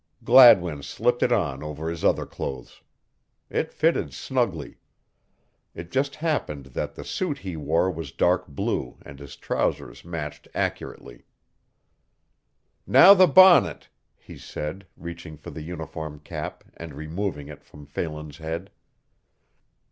Gladwin slipped it on over his other clothes. It fitted snugly. It just happened that the suit he wore was dark blue and his trousers matched accurately. "Now the bonnet," he said, reaching for the uniform cap and removing it from Phelan's head.